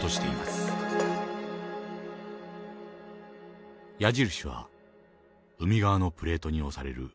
矢印は海側のプレートに押される陸の動きです。